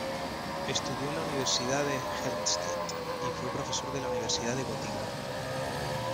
Estudió en la Universidad de Helmstedt, y fue profesor de la Universidad de Gotinga.